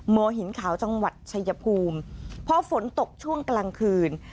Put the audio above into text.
หินขาวจังหวัดชายภูมิพอฝนตกช่วงกลางคืน